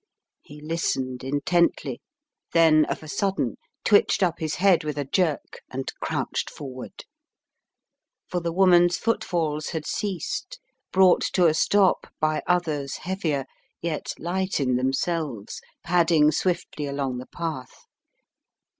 He listened intently, then, of a sudden, twitched up his head with a jerk, and crouched forward., For the woman's footfalls had ceased, brought to a stop by others heavier, yet light in themselves, pad ding swiftly along the path.